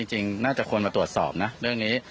จริงน่าจะควรมาตรวจสอบนะเรื่องนี้